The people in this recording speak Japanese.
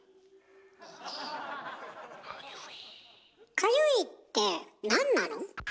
かゆいってなんなの？